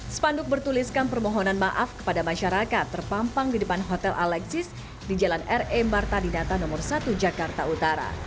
spanduk bertuliskan permohonan maaf kepada masyarakat terpampang di depan hotel alexis di jalan re marta dinata nomor satu jakarta utara